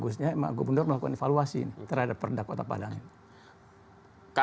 oh ya himbauan dulu pak